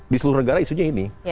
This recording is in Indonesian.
di seluruh negara isunya ini